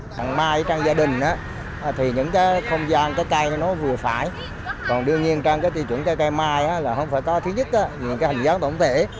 tuy nhiên trong tư chuẩn cây cây mai không phải có thứ nhất nhìn hình dạng tổng thể